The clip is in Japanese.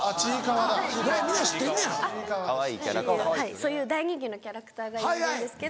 そういう大人気のキャラクターがいるんですけど。